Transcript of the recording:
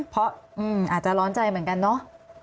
เพราะอาจจะร้อนใจเหมือนกันเนาะ